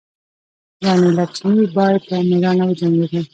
راني لکشمي بای په میړانه وجنګیده.